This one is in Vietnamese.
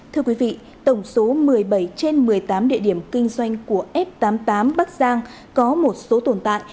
thưa quý vị tổng số một mươi bảy trên một mươi tám địa điểm kinh doanh của f tám mươi tám bắc giang có một số tồn tại